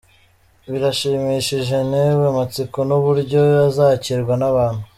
Birashimishije ntewe amatsiko n’uburyo izakirwa n’abantu.